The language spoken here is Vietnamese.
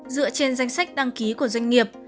dựa trên danh sách đăng ký của doanh nghiệp